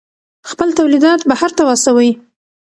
خپل تولیدات بهر ته واستوئ.